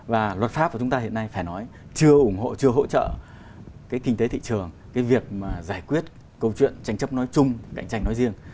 và luật pháp của chúng ta hiện nay phải nói chưa ủng hộ chưa hỗ trợ cái kinh tế thị trường cái việc mà giải quyết câu chuyện tranh chấp nói chung cạnh tranh nói riêng